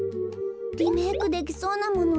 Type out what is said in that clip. リメークできそうなもの